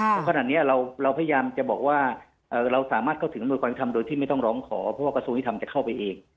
เพราะขนาดนี้เราพยายามจะบอกว่าเราสามารถเข้าถึงอำนวยความทำโดยที่ไม่ต้องร้องขอเพราะว่ากระทรวงยุทธรรมจะเข้าไปเอง